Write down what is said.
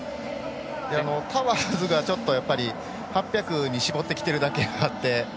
タワーズがちょっと、８００に絞ってきているだけあって。